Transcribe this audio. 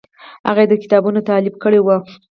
هغه یې د کتابونو تالیف کړی و.